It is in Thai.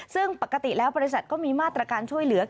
ซึ่งปกติแล้วบริษัทก็มีมาตรการช่วยเหลือ